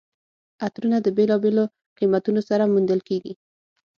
عطرونه د بېلابېلو قیمتونو سره موندل کیږي.